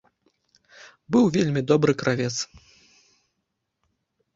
Быў вельмі добры кравец.